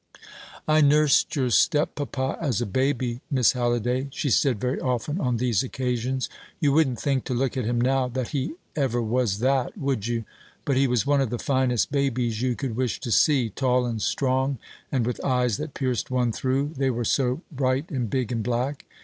"I nursed your step papa as a baby, Miss Halliday," she said very often on these occasions. "You wouldn't think, to look at him now, that he ever was that, would you? But he was one of the finest babies you could wish to see tall, and strong, and with eyes that pierced one through, they were so bright and big and black.